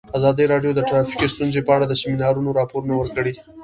ازادي راډیو د ټرافیکي ستونزې په اړه د سیمینارونو راپورونه ورکړي.